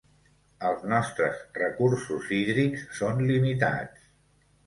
Els nostres recursos hídrics són limitats.